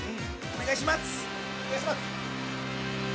お願いします。